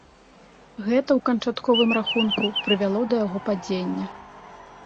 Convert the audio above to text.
Гэта ў канчатковым рахунку прывяло да яго падзення.